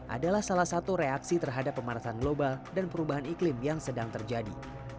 adalah salah satu reaksi terhadap pemanasan global dan perubahan iklim yang sedang terjadi